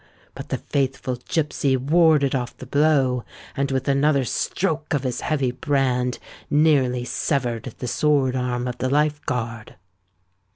But the faithful gipsy warded off the blow, and with another stroke of his heavy brand nearly severed the sword arm of the Life Guard.